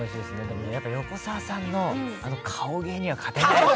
やっぱり横澤さんの顔芸には勝てないです。